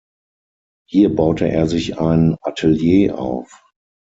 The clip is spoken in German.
Hier baute er sich ein Atelier auf.